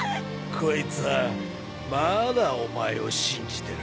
こいつはまだお前を信じてる。